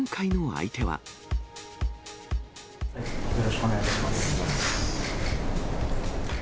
よろしくお願いします。